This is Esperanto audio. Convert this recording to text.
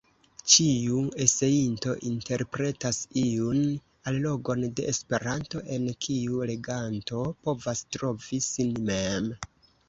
Ĉiu eseinto interpretas iun allogon de Esperanto, en kiu leganto povas trovi sin mem.